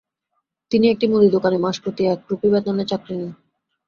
তিনি একটি মুদি দোকানে মাসপ্রতি এক রুপি বেতনে চাকরি নেন।